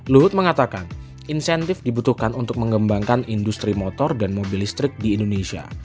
luhut mengatakan insentif dibutuhkan untuk mengembangkan industri motor dan mobil listrik di indonesia